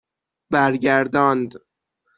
برگرداند